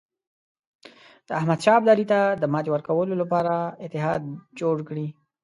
د احمدشاه ابدالي ته د ماتې ورکولو لپاره اتحاد جوړ کړي.